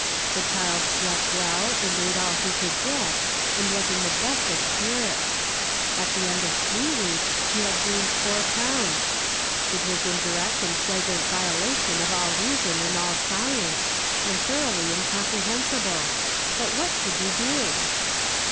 The child slept well and ate all he could get, and was in the best of spirits. At the end of three weeks he had gained four pounds. It was in direct and flagrant violation of all reason and all science, and thoroughly incomprehensible; but what could you do?